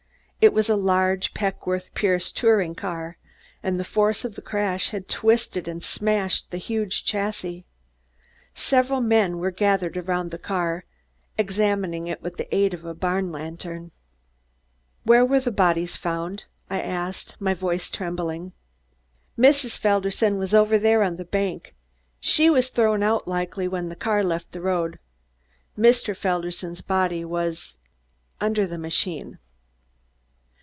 It was a large Peckwith Pierce touring car, and the force of the crash had twisted and smashed the huge chassis. Several men were gathered around the car, examining it with the aid of a barn lantern. "Where were the bodies found?" I asked, my voice trembling. "Mrs. Felderson was over there on the bank. She was thrown out likely when the car left the road. Mr. Felderson's body was under the machine."